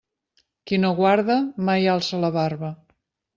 Qui no guarda, mai alça la barba.